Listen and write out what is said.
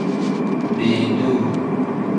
Beeduu.